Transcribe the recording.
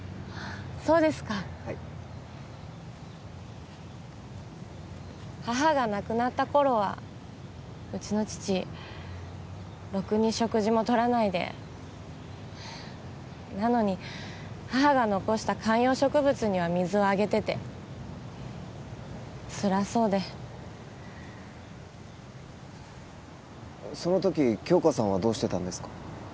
そうですかはい母が亡くなった頃はうちの父ろくに食事も取らないでなのに母が残した観葉植物には水をあげててつらそうでその時杏花さんはどうしてたんですか？